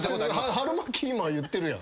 春巻き今言ってるやん。